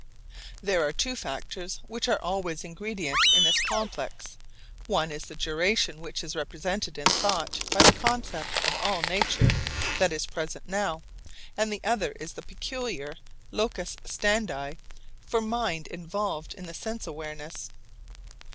There are two factors which are always ingredient in this complex, one is the duration which is represented in thought by the concept of all nature that is present now, and the other is the peculiar locus standi for mind involved in the sense awareness.